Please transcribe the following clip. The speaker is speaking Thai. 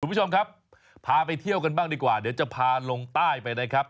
คุณผู้ชมครับพาไปเที่ยวกันบ้างดีกว่าเดี๋ยวจะพาลงใต้ไปนะครับ